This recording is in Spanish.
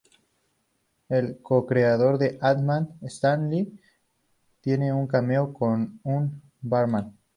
El co-creador de Ant-Man Stan Lee tiene un cameo como un barman.